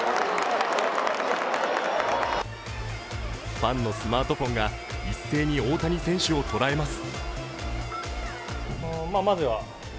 ファンのスマートフォンが一斉に大谷選手を捉えます。